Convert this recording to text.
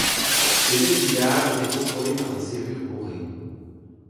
Ces aiguillages étaient contrôlés par des serrures Bourré.